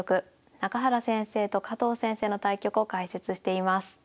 中原先生と加藤先生の対局を解説しています。